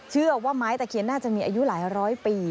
เชื่อว่าไม้ตะเคียนน่าจะมีอายุหลายร้อยปี